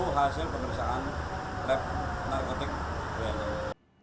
itu hasil pemeriksaan lab narkotik